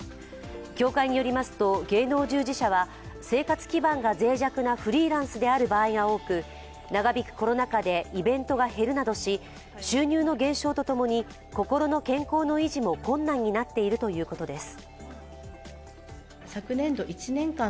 協会によりますと芸能従事者は生活基盤がぜい弱なフリーランスである場合が多く、長引くコロナ禍でイベントが減るなどし、収入の減少と共に心の健康の維持も困難になっているということです。